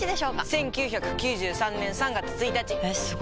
１９９３年３月１日！えすご！